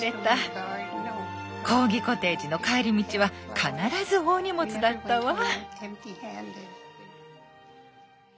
コーギコテージの帰り道は必ず大荷物だったわ。